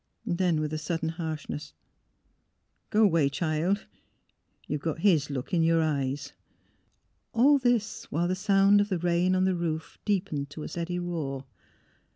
Then, with sudden harshness: —'* Go away, child; you've got his look in your eyes." ... All this, while the sound of the rain on the roof deepened to a steady roar.